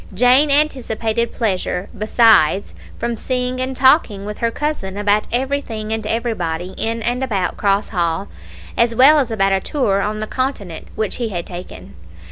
Jane anticipated pleasure, besides, from seeing and talking with her cousin about everything and everybody in and about Cross Hall, as well as about a tour on the Continent which he had taken.